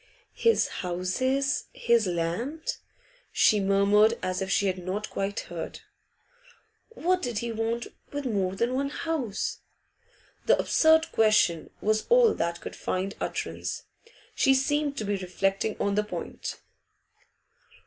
'His houses his land?' she murmured, as if she had not quite heard. 'What did he want with more than one house?' The absurd question was all that could find utterance. She seemed to be reflecting on that point.